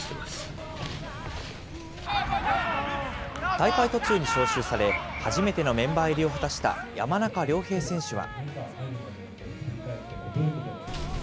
大会途中に招集され、初めてのメンバー入りを果たした山中亮平選手は。